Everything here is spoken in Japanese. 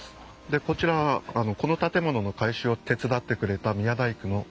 でこちらはこの建物の改修を手伝ってくれた宮大工の。